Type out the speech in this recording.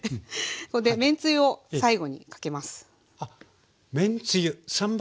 ここでめんつゆを最後にかけます。